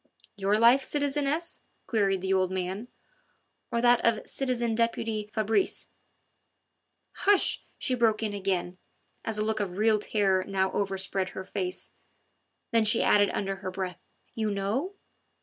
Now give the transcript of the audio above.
"Your life, citizeness?" queried the old man, "or that of citizen deputy Fabrice?" "Hush!" she broke in again, as a look of real terror now overspread her face. Then she added under her breath: "You know?"